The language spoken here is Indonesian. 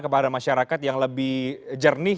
kepada masyarakat yang lebih jernih